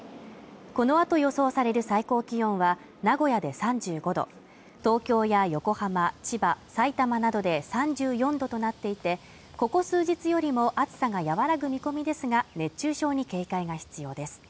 このあと予想される最高気温は名古屋で３５度、東京や横浜、千葉、埼玉などで３４度となっていて、ここ数日よりも暑さが和らぐ見込みですが、熱中症に警戒が必要です。